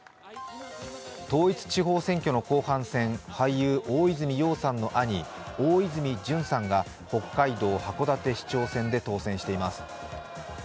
統一地方選挙の後半戦、俳優・大泉洋さんの兄、大泉潤さんが北海道函館市長選で当選しています。